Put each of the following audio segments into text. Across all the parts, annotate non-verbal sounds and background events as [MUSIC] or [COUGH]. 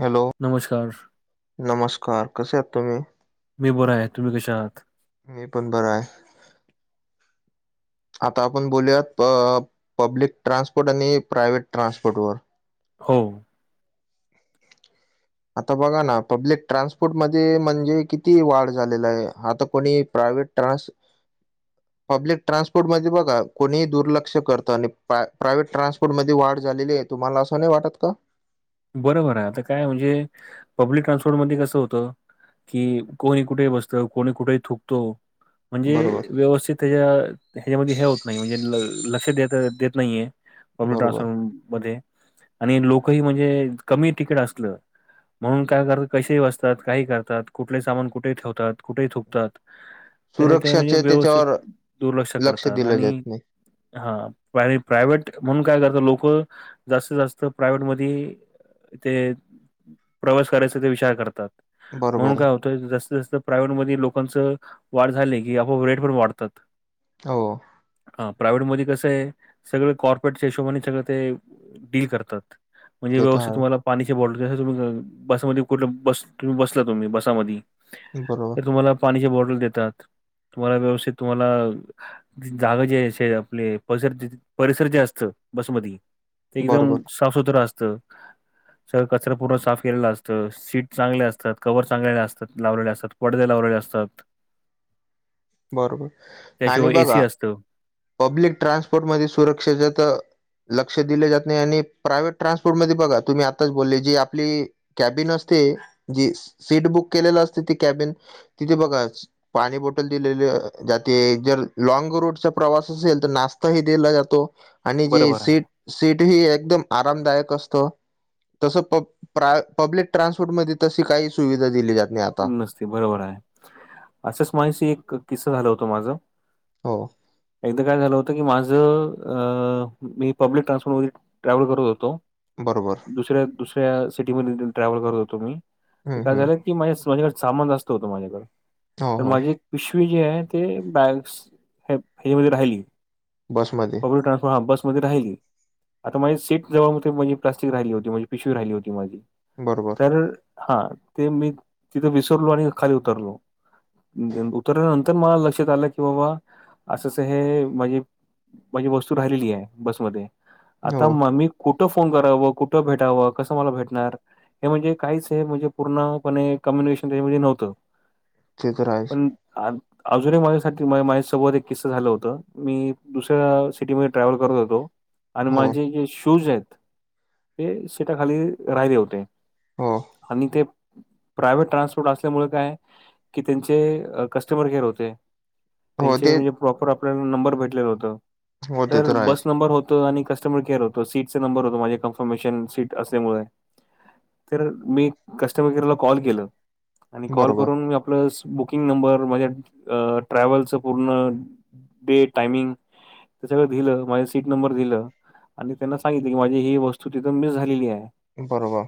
Hello नमस्कार. नमस्कार कसे आहात तुम्ही? मी बर आहे तुम्ही कशे आहात? मी पण बरं आहे. आता आपण बोलूयात प पब्लिक ट्रान्सपोर्ट आणि प्रायव्हेट ट्रान्सपोर्ट वर. हो. आता बघा ना पब्लिक ट्रान्सपोर्टमध्ये म्हणजे किती वाढ झालेला आहे आता कोणी प्रायव्हेट ट्रान्स पब्लिक ट्रान्सपोर्ट मध्ये बघा कोणीही दुर्लक्ष करतं आणि प्र प्रायव्हेट ट्रान्सपोर्ट मध्ये वाढ झालेली आहे तुम्हाला असं नाही वाटत का? बरोबर आहे आता काय म्हणजे पब्लिक ट्रान्सपोर्टमध्ये कसं होतं कि कोणी कुठे ही बसतं कोणी कुठे ही थुकतो म्हणजे बरोबर व्यवस्थित या हेज्यामध्ये हे होत नाही म्हणजे ल लक्ष देत देत नाहीये. पब्लिक बरोबर ट्रान्सपोर्ट मध्ये आणि लोकं ही म्हणजे कमी तिकडे असलं म्हणून काय करतात कशेही बसतात काही करतात कुठले सामान कुठे ही ठेवतात कुठेही थुकतात तर हे ते म्हणजे सुरक्षाचे व्यवस्थित त्याच्यावर दुर्लक्ष लक्ष करतात दिलं जात आणि नाही हा पण हे प्रायव्हेट म्हणून काय करत लोक जास्तीत जास्त प्रायव्हेट मध्ये ते प्रवास करायचा ते विचार करतात, बरोबर म्हणून काय आहे होत तर जास्तीस जास्त प्रायव्हेटमध्ये लोकांच वाढ झाली की आप रेट पण वाढतात. हो. हा प्रायव्हेट मध्ये कसं आहे, सगळं कॉर्पेटच्या हिशोबाने सगळ ते डील करतात. म्हणजे ते तर व्यवस्थित आहे तुम्हाला पाण्याची बॉटल तुम बसामध्ये कुठ बस- बसला तुम्ही बसामध्ये बरोबर. तुम्हाला पाण्याची बॉटल देतात, तुम्हाला व्यवस्थित तुम्हाला जागा जे शे आपली परिसर-हडसर जे असतं बसमध्ये. ते एकदम बरोबर साफ सुथर असतं. सगळ कचरा पूर्ण साफ केलेला असतं सीट चांगले असतात कवर चांगलेले असतात लावलेले असतात. पडदे लावलेले असतात. बरोबर आणि त्याशिवाय एसी बघा. असतं. पब्लिक ट्रान्सपोर्टमध्ये सुरक्षेच त लक्ष दिले जात नाही आणि प्रायव्हेट ट्रान्सपोर्ट मध्ये बघा तुम्ही आताच बोलले जी आपली कॅबिन असते जी सीट बुक केलेलं असते ती कॅबिन तिथे बघाच पाणी बोटल दिले जाते जर लॉंग रूटचा प्रवास असेल तर नाश्ता ह दिला जातो. आणि जी बरोबर आहे. सीट सीट ही एकदम आरामदायक असतो. तसं पप -प्राय-पब्लिक ट्रान्सपोर्ट मध्ये तशी काही सुविधा दिली जात नाही आता. नसते बरोबर आहे. असंच माझ्याशी एक किस्सा झाला होतो माझा. हो एकदा काय झालं होत. [UNINTELLIGIBLE] माझं अ मी पब्लिक ट्रान्सपोर्ट मध्ये ट्रॅव्हल करत होतो. बरोबर. दुसऱ्या-दुसऱ्या सिटी मध्ये ट्रॅव्हल करत होतो मी ते हम्म काय हम्म झालं माझ माझ्याकडे सामान जास्त होत माझ्याकडे हो तर हो माझी पिशवी जे आहे ते बॅस हे हच्यामध्ये राहिली. बसमध्ये पब्लिक ट्रान्सपोर्ट बसमध्ये राहिली. आता माझी सीट जेव्हा होती म्हणजे प्लास्टिक राहिली होती, म्हणजे पिशवी राहिली होती माझी. बरोबर तर हा ते मी तिथ विसरलो आणि खाली उतरलो. उतरल्यानंतर मला लक्षात आलं की बाबा असंच हे म्हणजे माझी वस्तू राहिलेली आहे बसमध्ये हो आता ममी कुठं फोन करावं, कुठं भेटावं, कसं मला भेटणार. हे म्हणजे काहीच हे म्हणजे पूर्णपणे कम्युनिकेशन त्याच्यामध्ये नव्हतं. ते तर आहेच. आ अजूनही माझ्यासाठी माझ्या सोबत एक किस्स झालं होत. मी दुसऱ्या सिटीमध्ये ट्रॅव्हल करत होतो. आणि हो माझे जे शूज आहेत ते सीटा खाली राहिले होते. हो आणि ते प्रायव्हेट ट्रान्सपोर्ट असल्यामुळे काय की त्यांचे कस्टमर केअर होते‌. हो ते त्यांचे म्हणजे प्रॉपर आपल्याला नंबर भेटलेलं नव्हता हो ते तर बस आहेच नंबर हो आणि कस्टमर केअर होत सीटचा नंबर होतो कन्फर्मेशन सीट असल्या मुळे. तर मी कस्टमर केअरला कॉल केलं आणि कॉल बरोबर करून मी आपलं बुकिंग नंबर माझ्या अ ट्रॅव्हलचं पूर्ण डेट टाइमिंग हे सगळ दिलं, माझ सीट नंबर दिलं. आणि त्यांना सांगितलं माझी ही वस्तू तिथं मिस झालेली आहे. बरोबर.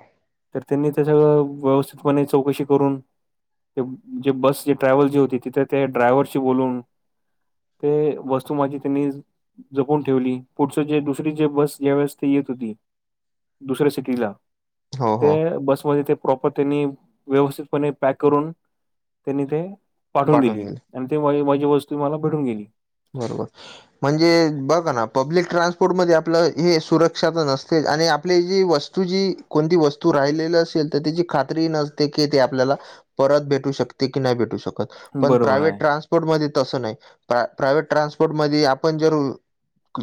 तर त्यांनी ते सगळं व्यवस्थितपणे चौकशी करून ते जे बस जे ट्रॅव्हल जे होती तिथे ते ड्रायव्हरशी बोलून ते वस्तू माझी त्यांनी जपून ठेवली. पुढचं जे दुसरी जे बस ज्या वेळेस ते येत होती दुसऱ्या सिटीला हो ते हो बसमध्ये ते प्रॉपर त्यांनी व्यवस्थितपणे पॅक करून त्यांनी ते पाठवून दिली. आणि ते माझी माझी वस्तू मला भेटून गेली. बरोबर. म्हणजे बघ ना, पब्लिक ट्रान्सपोर्टमध्ये आपलं हे सुरक्षा असतेच आणि आपली जी वस् तूझी वस्तू जी कोणती वस्तू राहिलेली असेल तर, त्याची खात्री नसते की ते आपल्याला परत भेटू शकते की नाही भेटू शकत, पण बरोबर प्रायव्हेट आहे. ट्रान्सपोर्ट मध्ये तसं नाही. प्रा प्रायव्हेट ट्रान्सपोर्टमध्ये आपण जर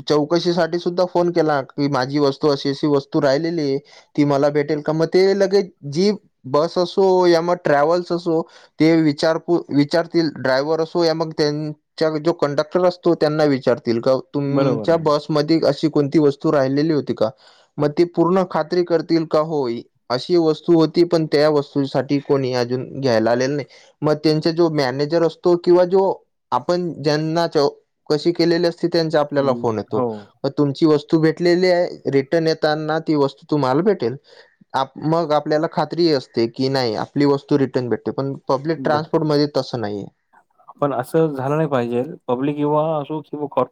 चौकशीसाठी सुद्धा फोन केला की माझी वस्तू अशी अशी वस्तू राहिलेली आहे. ती मला भेटेल का, मग ते लगेच जी बस असो या मग ट्रॅव्हल्स असो ते विचारपू- विचारतील ड्रायव्हर असो या मग त्यांच्या जो कंडक्टर असतो त्यांना विचारतील का बरोबर तुमच्या आहे बस मध्ये अशी कोणती वस्तू राहिलेली होती का, मग ते पूर्ण खात्री करतील का होय. अशी वस्तू होती पण त्या वस्तूसाठी कोणी अजून घ्यायला आलेली नाही. मग त्यांचा जो मॅनेजर असतो किंवा जो आपण ज्यांना जो चौकशी केलेली असती त्यांचा आपल्याला हम्म, फोन येतो. हो मग तुमची वस्तू भेटलेली आहे रिटर्न येताना ती वस्तू तुम्हाला भेटेल. मग आपल्याला खात्री असते, की नाही आपली वस्तू रिटर्न भेटते. पण पब्लिक भेटते. ट्रान्सपोर्टमध्ये तसं नाहीये. पण असं झालं नाही पाहिजे. पब्लिक युवा असू किंवा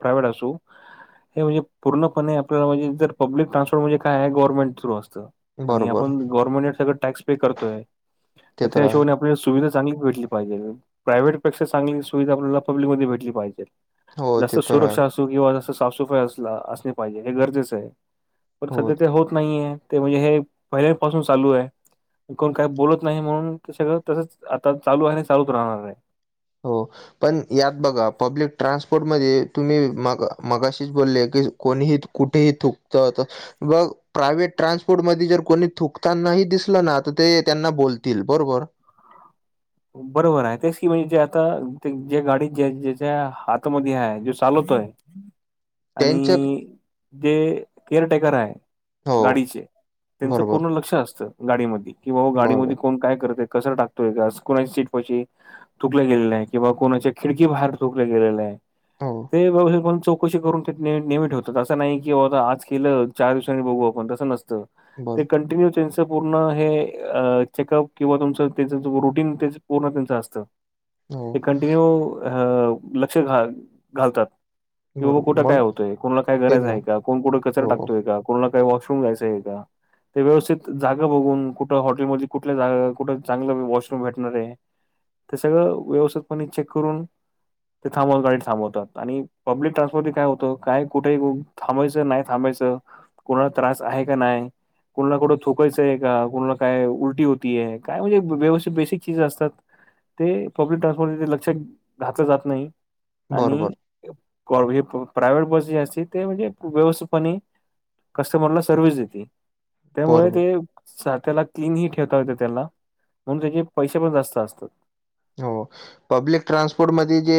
प्रायव्हेट असो हे म्हणजे पूर्णपणे आपल्याला म्हणजे जर पब्लिक ट्रान्सपोर्ट म्हणे काय आहे गव्हर्मेंट थ्रु असतं. आणि बरोबर आपण गव्हर्नमेंट सगळं टॅक्स पे करतोय. ते तर त्या आहे हिशोबाने सुविधा चांगली भेटली पाहिजे. प्रायव्हेटपेक्षा चांगली सुविधा आपल्याला पब्लिकमध्ये भेटली पाहिजे. हो ते जसं तर आहे सुरक्षा असू किंवा जास्त साफसफाई असला असली पाहिजे हे गरजेचं आहे. पण हो सध्या ते होत नाहीये ते म्हणजे हे पहिल्यापासून चालू आहे. कोण काही बोलत नाही म्हणून ते सगळं तसंच आता चालू आहे आणि चालूच राहणार आहे. हो. पण यात बघा पब्लिक ट्रान्सपोर्टमध्ये तुम्ही मग मगाशीच बोलले की कोणीही कुठेही थुकतात मग प्रायव्हेट ट्रान्सपोर्टमध्ये जर कोणी थुकताना हि दिसलं ना, तर ते त्यांना बोलतील. बरोबर? बरोबर आहे. तेच की म्हणजे जे आता ते जे गाडीजे जेच्या हातामध्ये आहे, जो चालवतोय [INAUDIBLE] आणि ते केअरटेकर आहे हो गाडीचे त्यांचं बरोबर पूर्ण लक्ष असतं. गाडीमध्ये किंवा हो बरोबर. गाडीमध्ये कोण काय करतंय कचरा टाकतोय का असं. कोणाची सीट पशी थूकल्या गेलेलं आहे किंवा कोणाच्या खिडकी बाहेर थुकलं गेलं आहे. हो. ते [UNINTELLIGIBLE] चौकशी करून तेे [UNINTELLIGIBLE] नेहमी ठेवतो. असं नाही की बाबा आता आज केलं चार दिवसांनी बघू आपण तसं नसतं. बस ते कंटिन्यू त्यांच पूर्ण हे अ चेकअप किंवा तुमचं त्यांच रुटीन तेच पूर्ण त्याचं असतं. हो ते कॉन्टिन्यू अ लक्ष घा-घालतात. की बाबा बरोबर कुठं काय म्हणून होतंय, कोणाला काय तेच गरज ना आहे का, कोण कुठे कचरा हो हो टकतोय का. कोणाला काय वॉशरूम जायचंय का? ते व्यवस्थित जागा बघून कुठं हॉटेलमध्ये कुठल्या जागा कुठं चांगलं वॉशरूम भेट मध्ये सगळं व्यवस्थितपणे चेक करून ते थांबवत गाडी थांबवतात आणि पब्लिक ट्रान्सपोर्ट काय होतं, काय कुठे थांबायचं नाही थांबायचं कोणाला त्रास आहे का नाही, कोणाला कुठं थुकायचंय आहे का, कोणाला काय उलटी हो ती आहे काय म्हणजे व्यवस्थित बेसिक ती तीच असतात‌, ते पब्लिक ट्रान्सपोर्ट तीथे लक्ष घात जात नाही बरोबर आणि [UNINTELLIGIBLE] प्रायव्हेट बस जी असती ते म्हणजे व्यवस्थितपणे कस्टमरला सर्व्हिस देते. त्यामुळे बरोबर ते त्याला क्लीनही ठेवता येते त्याला म्हणून त्याचे पैसे पण जास्त असतात. हो. पब्लिक ट्रान्सपोर्टमध्ये जे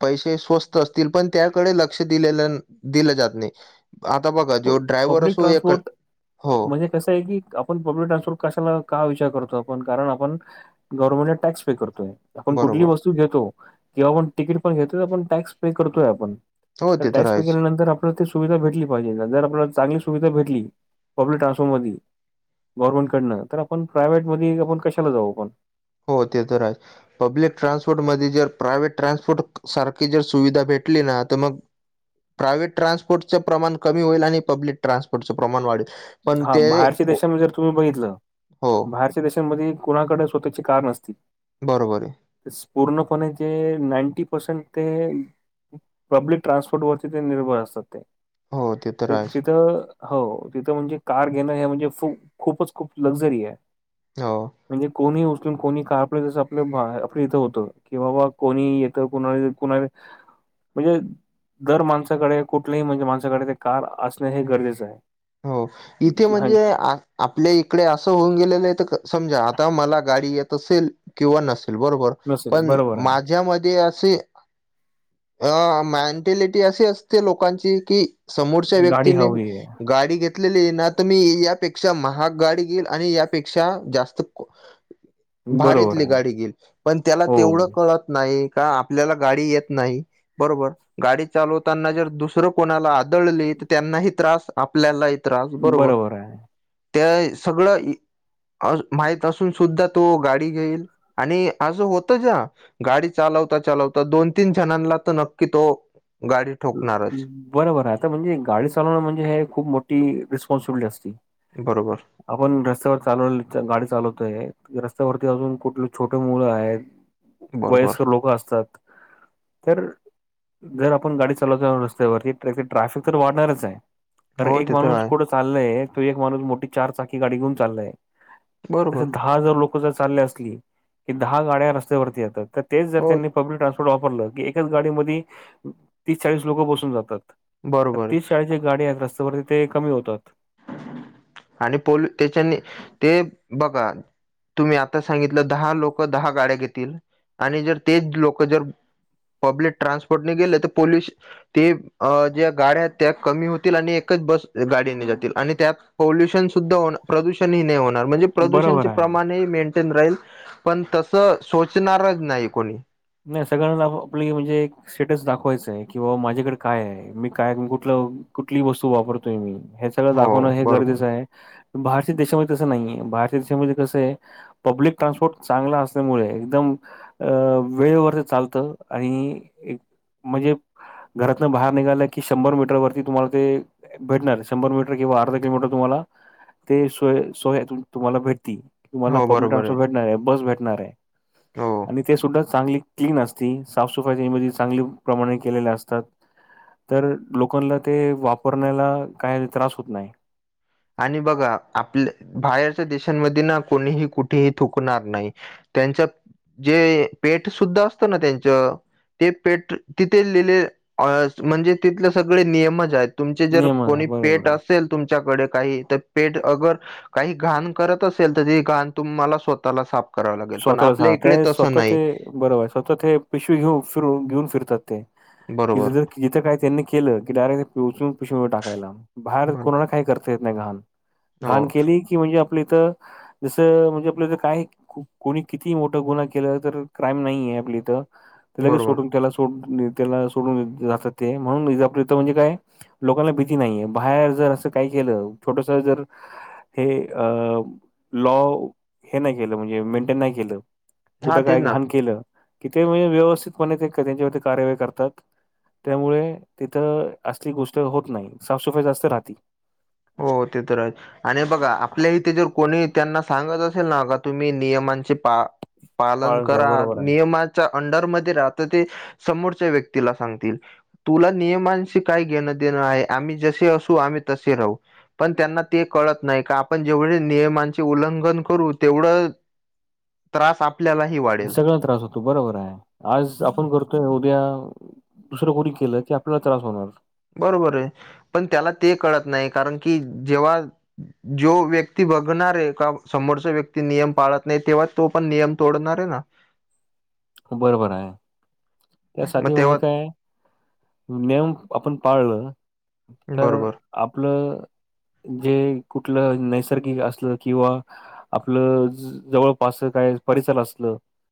पैसे स्वस्त असतील, पण त्याकडे लक्ष दिलेल दिलं जात नाही. आता बघा जो ड्रायव्हर पब्लिक असो एक ट्रान्सपोर्ट हो म्हणजे कसं आहे की, आपण पब्लिक ट्रान्सपोर्ट कशाला का विचार करतो आपण, कारण आपण गव्हर्मेंटला टॅक्स पे करतोय. आपण कुठलीही बरोबर वस्तू घेतो किंवा आपण तिकीट पण घेतोय आपण, टॅक्स पे करतोय आपण. हो तर ते टॅक्स पे आहेच केल्यानंतर आपल्याला ती सुविधा भेटली पाहिजे. जर आपल्याला चांगली सुविधा भेटली पब्लिक ट्रान्सपोर्टमधी गव्हर्नमेंटकडनं, तर आपण प्रायव्हेटमध्ये आपण कशाला जाऊ आपण. हो ते तर आहेच. पब्लिक ट्रान्सपोर्टमध्ये जर प्रायव्हेट ट्रान्सपोर्ट सारखी जर सुविधा भेटली ना, तर मग प्रायव्हेट ट्रान्पोर्टचं प्रमाण कमी होईल आणि पब्लिक ट्रान्सपोर्टच प्रमाण वाढेल. पण हा ते बाहेरच्या देशांमध्ये जर तुम्ही बघितलं, हो बाहर देशांमध्ये कुणाकडे स्वतःची कान असती. बरोबर आहे. पूर्णपणे ते नाईंटी पर्सेंट ते पब्लिक ट्रान्सपोर्टवरती ते निर्भर असतात हो तर ते, आहेच तिथं हो ती ते म्हणजे कार घेणं हे म्हणजे खूपच खूप लक्झरी आहे. हो. म्हणजे कोणी उचलून कोणी का आपलं जसं आपलं आपलं इथं होतं. कि बाबा कोणी येतं कुणा कुणा म्हणजे दर माणसाकडे कुठलेही म्हणजे माणसाकडे कार असणं हे गरजेचं आहे. हो इथे हा म्हणजे आज आपल्या इकडे असं होऊन गेलेलं आहे, तर समजा आता मला गाडी येत असेल किंवा नसेल बरोबर नसेल पण बरोबर मा आहे ज्यामध्ये असे आ मेंटेलिटी अशी असते लोकांची की समोरच्या गाडी व्यक्तीने. हवी आहे गाडी घेतलेली ना तुम्ही यापेक्षा महाग गाडी घेईल आणि यापेक्षा जास्त. बरोबर भारीतली आहे. गाडी घील. पण त्याला हो तेवढं कळत नाही का, आपल्याला गाडी येत नाही. बरोबर गाडी चालवताना जर, दुसरं कोणाला आदळली त्यांना त्रास. आपल्यालाही त्रास बरोबर. त्या सगळं माहिती असून सुद्धा तो गाडी घेईल. आणि असं होत जा. गाडी चालवता चालवता दोन तीन जणांना तर नक्की तो. गाडी ठोकणारच बरोबर आहे आता म्हणजे, गाडी चालवण म्हणजे हे खूप मोठी रिस्पॉन्सिबिलिटी असती. बरोबर. आपण रस्त्यावर चालव गाडी चालवतोय. रस्त्यावरती अजून कुठले छोटे मुलं आहेत. बरोबर वयस्कर लोक असतात. तर जर आपण गाडी. चला जाऊ रस्त्यावर ट्राफिक तर वाढणारच आहे. कारण हो एक ते तर माणूस आहे कुठं चा चालय तो एक माणूस मोठी चार चाकी गाडी घेऊन चालय. तस बरोबर दहा हजार लोकं कुठे तर चालले असली. की दहा गाड्या रस्त्यावरती येतात. तर ते जर हो त्यांनी, पब्लिक ट्रान्सपोर्ट वापरलं. की एकाच गाडी मध्ये तीस चाळीस लोकं बसून जातात. तर बरोबर तीच चाळीस जे गाडी आहेत, ते रस्त्यावरचे ते कमी होतात. आणि पोलीस तेच्याने ते बघा. तुम्ही आता सांगितलं दहा लोकं दहा गाड्या घेतील. आणि जर तेच लोकं जर, पब्लिक ट्रान्सपोर्ट गेले तर पोलोशन. ते ज्या गाड्या आहेत. त्या कमी होतील आणि एकच बस गाडीने जातील. आणि पोल्युषन सुद्धा प्रदूषणही नाही होणार. म्हणजे बरोबर प्रदूषणचे आहे प्रमाण, राहील पण तस सोचणारच नाही कुणी. नाही सगळ्यांना आपली म्हणजे, स्टेटस दाखवायचय की बाबा माझ्याकडे काय आहे. मी काय कुठ कुठली वस्तू वापरतोय मी हेच. सगळं हो दाखवणं हे बरोबर गरजेचं आहे. बाहेरच्या देशामध्ये तसं नाहीये, बाहेरच्या देशामध्ये कसं ये. पब्लिक ट्रान्सपोर्ट चांगल असल्यामुळे एकदम अ. वेळेवरच चालतं आणि एक म्हणजे, घरातन बाहेर निघालं की, शंभर मीटर वरती तुम्हाला ते. भेटणार शंभर मीटर किंवा अर्धा किलोमीटर तुम्हाला ते सोय सोय तुम्हाला भेटती. तुम्हाला हो पब्लिक बरोबर ट्रान्सफर भेटणार आहे. बस भेटणार आहे हो आणि ते सुद्धा. चांगली क्लीन असती. साफसफाई त्यामध्ये चांगली प्रमाणे केलेल्या असतात. तर लोकांला ते वापरण्याला काय त्रास होत नाही. आणि बघा आपल्या बाहेरच्या देशांमध्ये ना, कोणीही कुठेही थुंकणार नाही. त्यांच जे पेठ सुुद्धा असतं ना त्यांच. ते पेट तिथे लिहिले म्हणजे, तिथले सगळे नियमच आहेत. तुमचे जर नियमन आहे कोणी बरोबर पेट आहे. असेल तुमच्याकड. काही पेठ अगर काही घाण करत असेल, तर ते घाण तुम्हाला स्वतःला साप स्वतःलाच ग ते स्वतः ते बरोबर आहे. स्वतः ते पिशवी घेऊ फिर घेऊन फिरतात ते. बरोबर. तिथं काही त्यांनी केलं की डायरेक्ट ते पोचून पिशवूनवर टाकायला. बाहेर बरो कोणाना काही करता येत नाही घाण. हो घाण केली की म्हणजे, आपल्या इथं जसं म्हणजे आपल्या इथं काय. को कोणी कितीही मोठा गुन्हा केला. तर क्राईम नाहीे आपल्या इथं त्या लगेच बरोबर सोडून त्याला सोड त्याला सोडून जातात ते, म्हणून आपला हितं म्हणजे काय. लोकांना भीती नाहीये, बाहेर जर असं काही केलं छोटस जर हे अ लॉ हे नाय केलं म्हणजे मेन टेन नाय केलं हा कुठे तेच काय ना घाण केलं. तिथं म्हणजे व्यवस्थितपणे ते त्यांच्यावर कारवाई करतात. त्यामुळे तिथं असली गोष्ट होत नाही, साफसफाई जास्त राहती हो ते तर हाय. आणि बघा आपल्या इथे जर कोणी त्यांना सांगत असेल ना का तुम्ही नियमांचे पा पालन पाळण कर करा बरोबर आहे नियमा च्या अंडरमध्ये राहत ते समोरच्या व्यक्तीला सांगतील. तुला नियमांशी काही घेणं देणं आहे? आम्ही जसे असू आम्ही तसे राहू पण त्यांना ते कळत नाही का आपण जेवढे नियमांचे उल्लंघन करू तेवढं त्रास आप आपल्यालाही वा सगळ्याला त्रास होतो. बरोबर आहे, आज आपण करतोय उद्या दुसरं कोणी केलं की आपल्याला त्रास होणार. बरोबर आहे पण त्याला ते कळत नाही, कारण की जेव्हा. जो व्यक्ती बघणार आहे, का समोरचा व्यक्ती नियम पाळत नाही तेव्हा तो पण नियम तोडणार आहे ना. बरोबर हाय मग त्यासाठी म्हणजे तेव्हा काय. नियम आपण पाळलं, तर बरोबर. आपलं. जे कुठलं नैसर्गिक असलं किंवा आपलं जवळपास काय परिसर असलं.